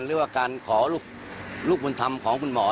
หรือว่าการขอลูกบุญธรรมของคุณหมอ